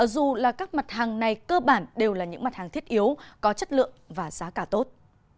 dù là các mặt hàng này cơ bản đều là những mặt hàng thiết yếu có chất lượng và giá cả tốt